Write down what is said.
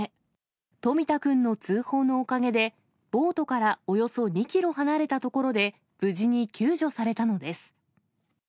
冨田君の通報のおかげで、ボートからおよそ２キロ離れた所で、無事に救助されたのです。